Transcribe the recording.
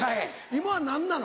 今は何なの？